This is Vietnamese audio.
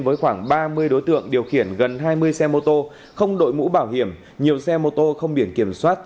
với khoảng ba mươi đối tượng điều khiển gần hai mươi xe mô tô không đội mũ bảo hiểm nhiều xe mô tô không biển kiểm soát